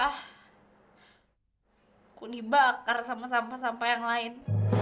aku dibakar sama sampah sampah yang lain